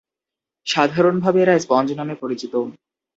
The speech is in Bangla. সাধারণভাবে এরা স্পঞ্জ নামে পরিচিত।